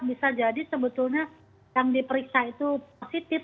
bisa jadi sebetulnya yang diperiksa itu positif